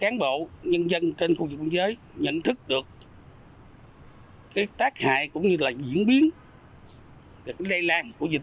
nhiều nhân dân trên khu vực biên giới nhận thức được tác hại cũng như là diễn biến đầy lan của dịch